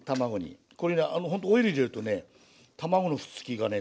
これねほんとオイル入れるとね卵のくっつきがね